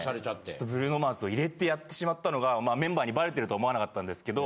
ちょっとブルーノ・マーズ入れてやってしまったのがまあメンバーにバレてるとは思わなかったんですけどま